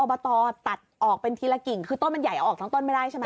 บตตัดออกเป็นทีละกิ่งคือต้นมันใหญ่ออกทั้งต้นไม่ได้ใช่ไหม